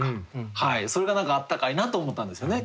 それが何かあったかいなと思ったんですよね。